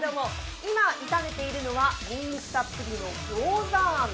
今、炒めているのはにんにくたっぷりのギョーザあん。